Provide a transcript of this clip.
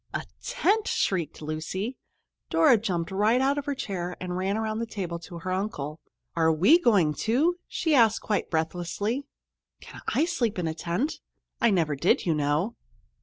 "A tent!" shrieked Lucy. Dora jumped right out of her chair and ran around the table to her uncle. "Are we going, too?" she asked quite breathlessly. "Can I sleep in a tent? I never did, you know."